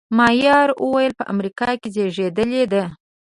ماريا وويل په امريکا کې زېږېدلې ده.